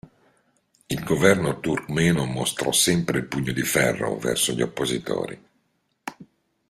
Il governo turkmeno mostrò sempre il pugno di ferro verso gli oppositori.